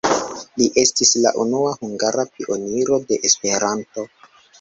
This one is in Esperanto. Li estis la unua hungara pioniro de Esperanto.